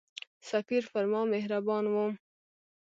سفیر پر ما مهربان وو.